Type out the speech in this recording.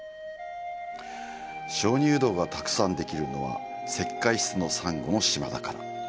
鍾乳洞がたくさんできるのは石灰質のサンゴの島だから。